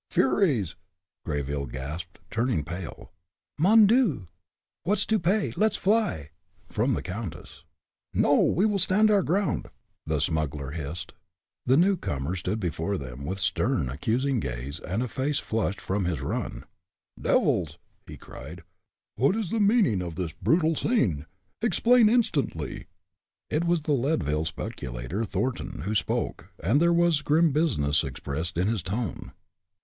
"Furies!" Greyville gasped, turning pale. "Mon Dieu! what's to pay? Let's fly!" from the countess. "No! we will stand our ground!" the smuggler hissed. The new comer soon stood before them, with stern, accusing gaze, and a face flushed from his run. "Devils!" he cried, "what is the meaning of this brutal scene? Explain instantly." It was the Leadville speculator, Thornton, who spoke, and there was grim business expressed in his tone.